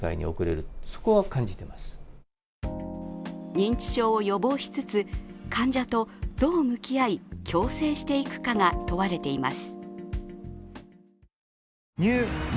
認知症を予防しつつ、患者とどう向き合い共生していくかが問われています。